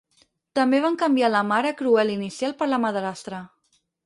També van canviar la mare cruel inicial per la madrastra.